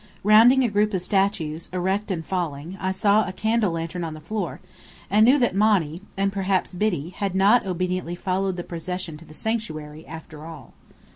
Rounding a group of statues, erect and fallen, I saw a candle lantern on the floor, and knew that Monny and perhaps Biddy had not obediently followed the procession to the sanctuary, after all.